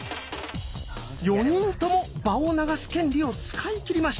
４人とも場を流す権利を使い切りました。